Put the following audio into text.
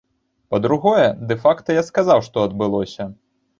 Па-другое, дэ-факта я сказаў, што адбылося.